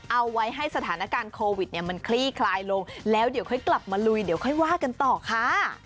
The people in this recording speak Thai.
เอาไว้ให้สถานการณ์โควิดเนี่ยมันคลี่คลายลงแล้วเดี๋ยวค่อยกลับมาลุยเดี๋ยวค่อยว่ากันต่อค่ะ